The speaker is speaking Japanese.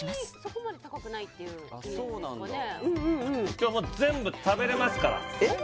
今日全部食べれますからえっ？